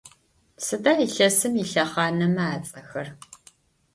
Сыда илъэсым илъэхъанэмэ ацӏэхэр?